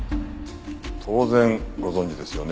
当然ご存じですよね？